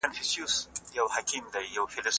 د میز څېړنه د معلوماتو په راټولولو تکیه کوي.